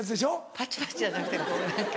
パチパチじゃなくてこう何か。